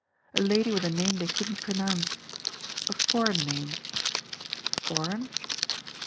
A lady with a name they could n't pronounce. A foreign name. Foreign?